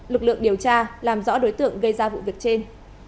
lực lượng điều tra làm rõ đối tượng gây ra vụ việc trên